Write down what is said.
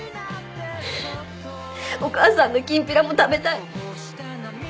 お母さんのきんぴらも食べたい。